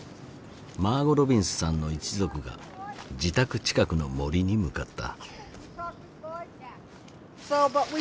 マーゴ・ロビンズさんの一族が自宅近くの森に向かった。